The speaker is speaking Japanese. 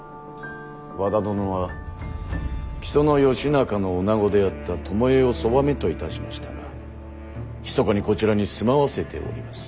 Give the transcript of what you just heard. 和田殿は木曽義仲の女子であった巴をそばめといたしましたがひそかにこちらに住まわせております。